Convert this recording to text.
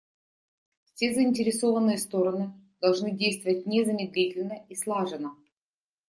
Все заинтересованные стороны должны действовать незамедлительно и слаженно.